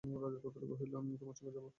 রাজার পুত্র কহিল, আমিও তোমার সঙ্গে যাইব।